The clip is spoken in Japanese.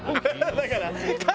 だから。